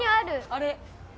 あれ！